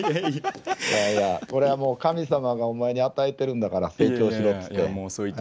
これは神様がお前に与えてるんだから成長しろって。